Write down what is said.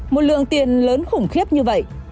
một lượng tiền lớn khủng khiếp như vậy